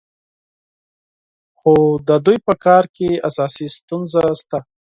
خو د دوی په کار کې اساسي ستونزه شته.